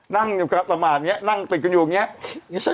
นั่งอยู่ประมาณอย่างนี้นั่งติดกันอยู่อย่างนี้